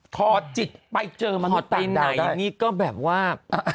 ถอดจิตไปเจอมนุษย์ต่างดาวได้ถอดไปไหนนี่ก็แบบว่า